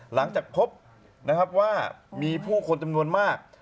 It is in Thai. หลังจากพบว่ามีผู้คนจำนวนมาก